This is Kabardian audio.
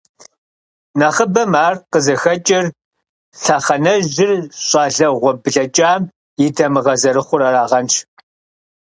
Нэхъыбэм ар къызыхэкӀыр лъэхъэнэжьыр щӀалэгъуэ блэкӀам и дамыгъэ зэрыхъур арагъэнщ.